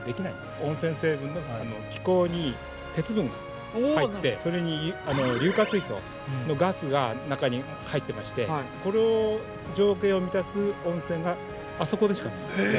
温泉成分、気孔に鉄分が入ってそれに硫化水素のガスが中に入ってましてこの条件を満たす温泉があそこでしか作れない。